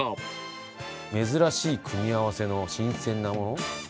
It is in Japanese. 珍しい組み合わせの新鮮なもの？